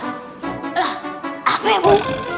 lah apa ya bu